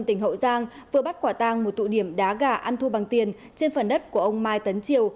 tỉnh hậu giang vừa bắt quả tang một tụ điểm đá gà ăn thua bằng tiền trên phần đất của ông mai tấn triều